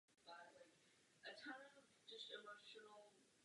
Součástí těchto reforem je i nezbytné snižování produkce.